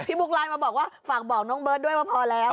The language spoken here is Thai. พี่บุ๊คไลน์มาตามฝากบอกน้องเบิร์ดด้วยว่าพอแล้ว